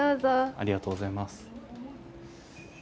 ありがとうございます。